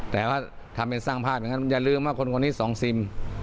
แต่ว่าทำเป็นสร้างภาพอย่างนั้นอย่าลืมว่าคนคนนี้สองซิม